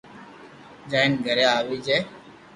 جائين گھري آوي جي